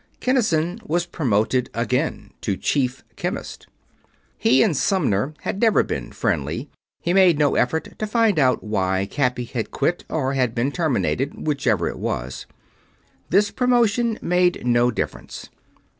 Kinnison was promoted again: to Chief Chemist. He and Sumner had never been friendly; he made no effort to find out why Cappy had quit, or had been terminated, whichever it was. This promotion made no difference.